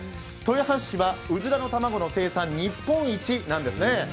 豊橋市はうずらの卵の生産日本一なんですね。